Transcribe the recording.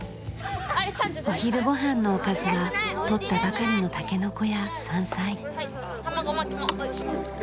お昼ご飯のおかずは取ったばかりのタケノコや山菜。